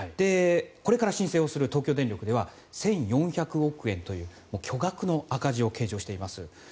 これから申請する東京電力では１４００億円という巨額の赤字を計上しています。